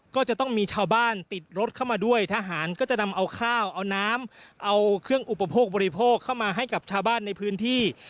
ก็จะต้องมีชาวบ้านติดรถเข้ามาด้วยทหารก็จะนำเอาข้าวเอาน้ำเอาเครื่องอุปโภคบริโภคเข้ามาให้กับชาวบ้านในพื้นที่